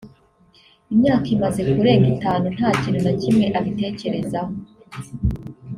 imyaka imaze kurenga itanu nta kintu na kimwe abitekerezaho